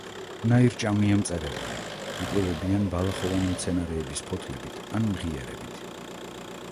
ნაირჭამია მწერებია, იკვებებიან ბალახოვანი მცენარეების ფოთლებით ან მღიერებით.